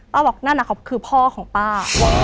ป้าบอกนั่นคือพ่อของป้า